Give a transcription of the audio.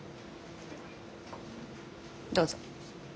どうぞ。